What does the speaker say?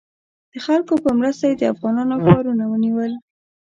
د خلکو په مرسته یې د افغانستان ښارونه ونیول.